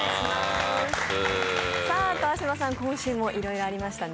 さあ川島さん、今週もいろいろありましたね。